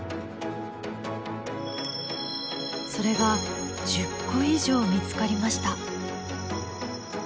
それが１０個以上見つかりました。